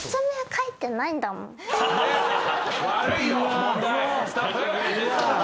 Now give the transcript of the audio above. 悪いよ！